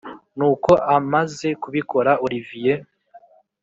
nuko amaze kubikora olivier